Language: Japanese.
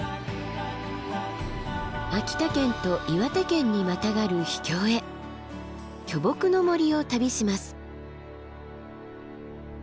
秋田県と岩手県にまたがる秘境へ巨木の森を旅します。